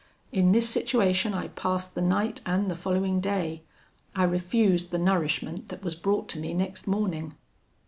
In this situation I passed the night and the following day. I refused the nourishment that was brought to me next morning.